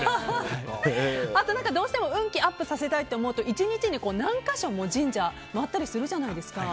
あとどうしても運気をアップさせたいと思うと１日に何か所も神社を回ったりするじゃないですか。